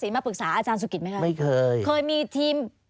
ไม่มี